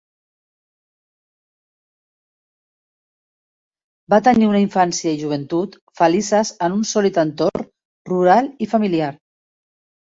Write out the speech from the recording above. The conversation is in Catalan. Va tenir una infància i joventut felices en un sòlid entorn rural i familiar.